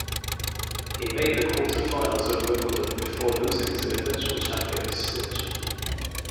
He made the quarterfinals of Wimbledon before losing to eventual champion Stich.